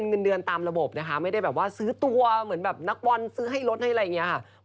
เงินเดือนตามระบบนะคะไม่ได้แบบว่าซื้อตัวเหมือนแบบนักบอลซื้อให้รถให้อะไรอย่างนี้ค่ะ